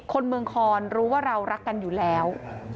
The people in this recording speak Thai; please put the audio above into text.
คนเมืองคอนรู้ว่าเรารักกันอยู่แล้ว